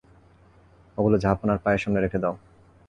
ওগুলো জাহাঁপনার পায়ের সামনে রেখে দাও।